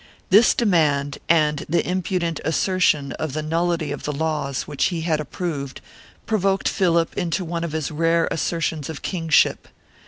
This demand, and the impudent assertion of the nullity of the laws which he had approved, provoked Philip into one of his rare assertions of kingship.